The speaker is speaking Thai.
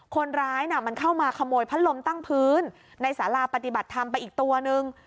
คนร้ายมันเข้ามาขโมยพัดลมตั้งพื้นในสาราปฏิบัติธรรมไปอีกตัวนึง